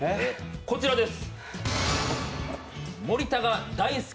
こちらです！